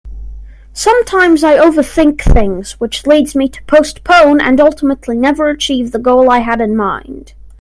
Sometimes I overthink things which leads me to postpone and ultimately never achieve the goal I had in mind.